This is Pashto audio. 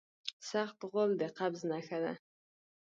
سخت غول د قبض نښه ده.